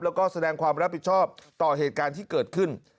แล้วก็แสดงความรับผิดชอบต่อเหตุการณ์ที่เกิดขึ้น